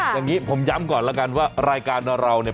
อย่างนี้ผมย้ำก่อนแล้วกันว่ารายการเราเนี่ย